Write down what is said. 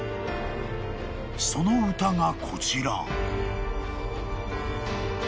［その歌がこちら］